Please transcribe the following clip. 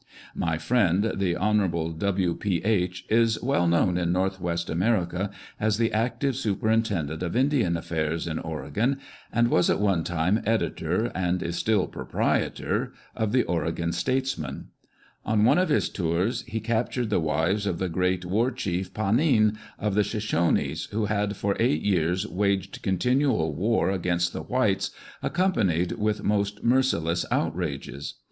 "] My friend, the Hon. W. P. H., is well known in North West America as the active superintendent of Indian affairs in Oregon, and was at one time editor, and is still proprietor, of the Oregon Statesman. On one of his tours, he captured the wives of the great war chief, Pahnine, of the Shoshones, who had for eight years waged continual war against the whites, accompanied with most merciless outrages.